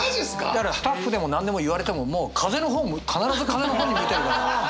だからスタッフでも何でも言われてももう風の方必ず風の方に向いてるから。